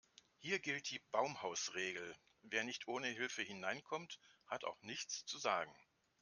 Hier gilt die Baumhausregel: Wer nicht ohne Hilfe hineinkommt, hat auch nichts zu sagen.